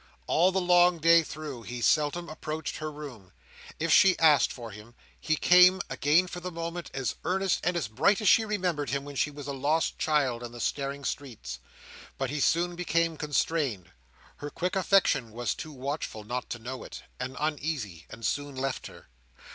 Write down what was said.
All the long day through, he seldom approached her room. If she asked for him, he came, again for the moment as earnest and as bright as she remembered him when she was a lost child in the staring streets; but he soon became constrained—her quick affection was too watchful not to know it—and uneasy, and soon left her.